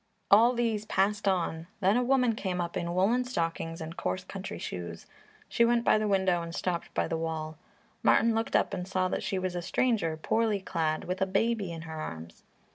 All these passed on; then a woman came up in woollen stockings and coarse country shoes. She went by the window and stopped by the wall. Martin looked up and saw that she was a stranger, poorly clad, with a baby in her arms.